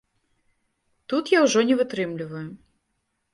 Тут я ўжо не вытрымліваю.